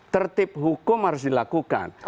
tertib hukum harus dilakukan